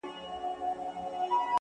• نه په كار مي پاچهي نه خزانې دي,